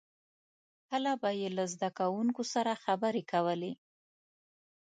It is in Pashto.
• کله به یې له زدهکوونکو سره خبرې کولې.